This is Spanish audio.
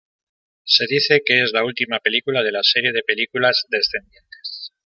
Se dice que es la última película de la serie de películas "Descendientes".